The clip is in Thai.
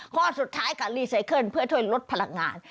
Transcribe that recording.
ข้อสุดท้ายกับรีไซเคิลเพื่อช่วยลดพลังงาน